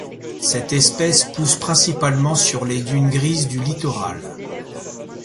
Cette espèce pousse principalement sur les dunes grises du littoral.